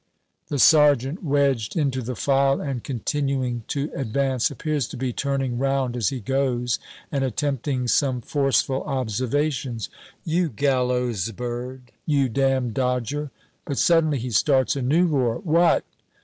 The sergeant, wedged into the file and continuing to advance, appears to be turning round as he goes and attempting some forceful observations "You gallows bird! You damned dodger!" But suddenly he starts a new roar "What!